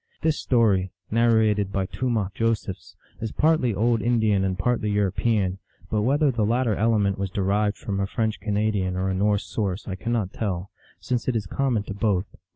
This story, narrated by Tomah Josephs, is partly old Indian and partly European, but whether the lat ter element was derived from a French Canadian or a Norse source I cannot tell, since it is common to both.